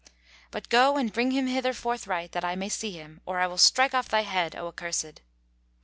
But go and bring him hither forthright, that I may see him; or I will strike off thy head, O accursed."